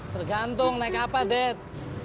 tergantung naik apa dad